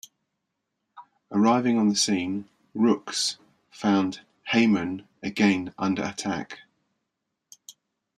Arriving on the scene, "Rooks" found "Hyman" again under attack.